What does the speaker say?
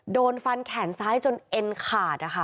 โดนฟันแขนซ้ายจนเอ็นขาดนะคะ